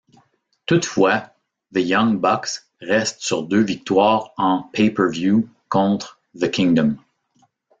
Toutefois, The Young Bucks restent sur deux victoires en pay-per-view contre The Kingdom.